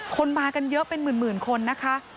คนมากันเยอะเป็นหมื่นคนนะคะ